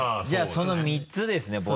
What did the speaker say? じゃあその３つですね。